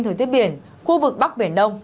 thời tiết biển khu vực bắc biển đông